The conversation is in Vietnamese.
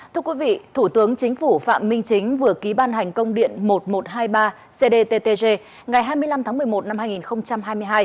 thưa quý vị thủ tướng chính phủ phạm minh chính vừa ký ban hành công điện một nghìn một trăm hai mươi ba cdttg ngày hai mươi năm tháng một mươi một năm hai nghìn hai mươi hai